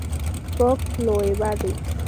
Cox lo evade.